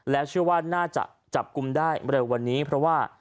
และเชื่อว่าน่าจะจับกุมได้มาเลยวันนี้เพราะว่า